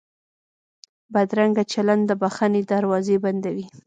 بدرنګه چلند د بښنې دروازې بندوي